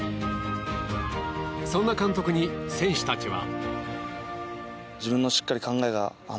そんな監督に選手たちは。